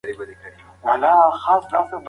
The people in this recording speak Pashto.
له درملو یې پرېماني